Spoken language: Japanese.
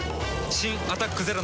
新「アタックＺＥＲＯ」